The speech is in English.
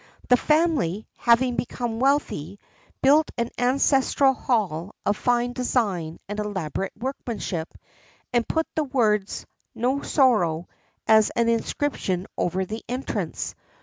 The family, having become wealthy, built an ancestral hall of fine design and elaborate workmanship, and put the words "No Sorrow" as an inscription over the entrance.